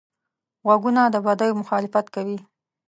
غوږونه د بدیو مخالفت کوي